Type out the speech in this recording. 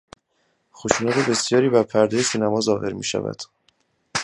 خشونت بسیاری بر پردهی سینما ظاهر میشود.